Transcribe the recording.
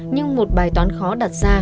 nhưng một bài toán khó đặt ra